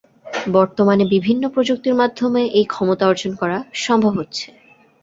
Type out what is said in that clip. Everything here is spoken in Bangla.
বর্তমানে বিভিন্ন প্রযুক্তির মাধ্যমে এই ক্ষমতা অর্জন করা সম্ভব হচ্ছে।